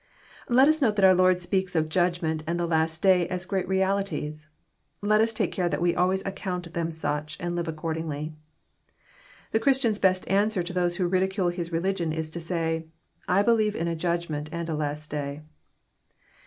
Let us note that our Lord speaks of Judgment and the last day as great realities. Let us take care that we always account them such, and live accordingly. The Christian's best answer to those who ridicule his religion is to say, << I believe in a Judgment and a last day."